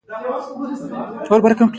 د کرچک غوړي د څه لپاره وکاروم؟